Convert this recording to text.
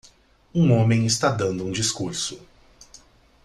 Um homem está dando um discurso